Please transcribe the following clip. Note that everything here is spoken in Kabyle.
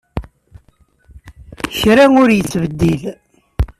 Kra ur yettbeddil.